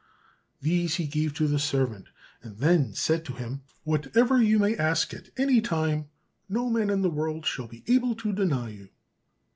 These he gave to the servant, and then said to him, "Whatever you may ask at any time, no man in the world shall be able to deny you."